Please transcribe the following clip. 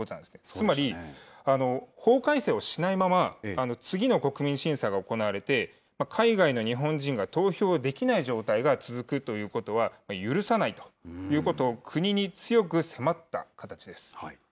つまり法改正をしないまま、次の国民審査が行われて、海外の日本人が投票できない状態が続くということは、許さないということを国に強く迫った形です。